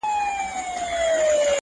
o درواغجن حافظه نه لري.